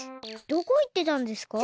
どこいってたんですか？